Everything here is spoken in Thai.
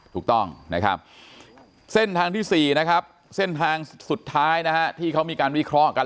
ถูกต้องนะครับเส้นทางที่๔นะครับเส้นทางสุดท้ายนะฮะที่เขามีการวิเคราะห์กัน